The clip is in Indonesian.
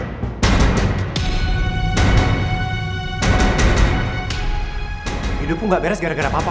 hidupku gak beres gara gara papa